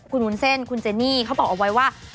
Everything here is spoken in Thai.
คุณวุ้นเส้นคุณเจนี่เขาบอกเอาไว้ว่า